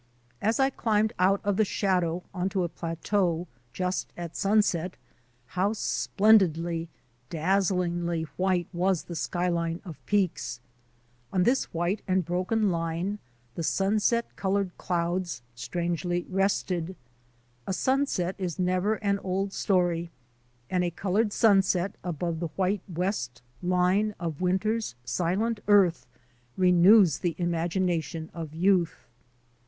As I climbed out of the shadow on to a plateau, just at sunset, how splen didly, dazzlingly white was the skyline of peaks! On this white and broken line the sunset coloured clouds strangely rested. A sunset is never an old story, and a coloured sunset above the white west line of winter's silent earth renews the imagination of youth.